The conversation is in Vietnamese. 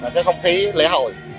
cái không khí lễ hội